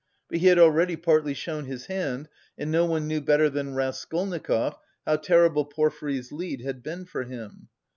But he had already partly shown his hand, and no one knew better than Raskolnikov how terrible Porfiry's "lead" had been for him.